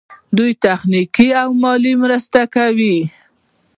دوی تخنیکي او مالي مرستې کولې.